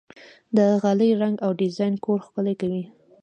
د غالۍ رنګ او ډیزاین کور ښکلی کوي.